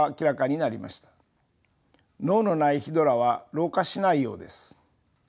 脳のないヒドラは老化しないようです。